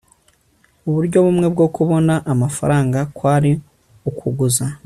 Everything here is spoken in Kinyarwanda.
uburyo bumwe bwo kubona amafaranga kwari ukuguza